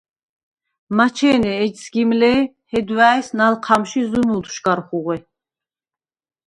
მაჩე̄ნე ეჯ სგიმ ლ’ე̄, ხედვა̄̈ის ნალჴა̈მში ზუმულდშვ გარ ხუღვე.